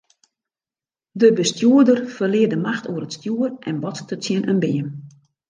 De bestjoerder ferlear de macht oer it stjoer en botste tsjin in beam.